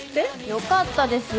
よかったですよ。